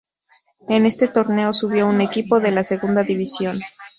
En este torneo subió un equipo de la Segunda División.